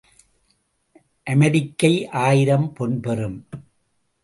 அமரிக்கை ஆயிரம் பொன் பெறும்.